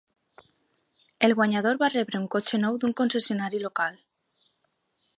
El guanyador va rebre un cotxe nou d'un concessionari local.